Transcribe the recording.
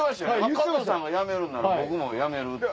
加藤さんが辞めるんなら僕も辞めるって。